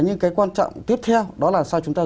nhưng cái quan trọng tiếp theo đó là sao chúng ta